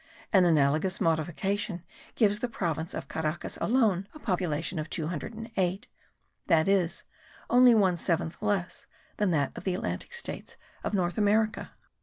An analogous modification gives the province of Caracas alone a relative population of 208, that is, only one seventh less than that of the Atlantic States of North America.